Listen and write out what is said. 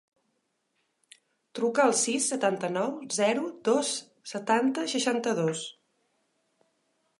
Truca al sis, setanta-nou, zero, dos, setanta, seixanta-dos.